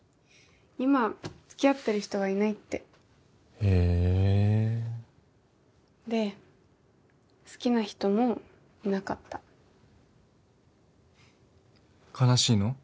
今付き合ってる人はいないってへえで好きな人もいなかった悲しいの？